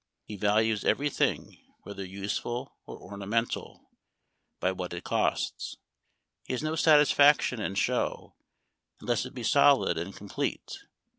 He values every thing, whether useful or orna mental, by what it costs. He has no satisfac tion in show, unless it be solid and complete.